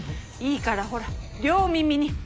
いいからほら両耳に。